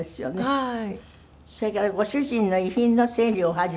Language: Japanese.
はい。